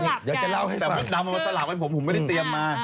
มดดำมันมันมันสลับให้ผมผมไม่ได้เตรียมมา